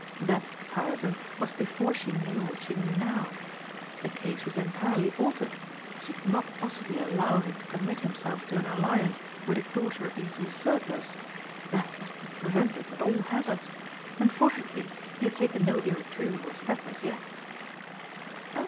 That, however, was before she knew what she knew now. The case was entirely altered she could not possibly allow him to commit himself to an alliance with a daughter of these usurpers. That must be prevented at all hazards, and fortunately he had taken no irretrievable step as yet.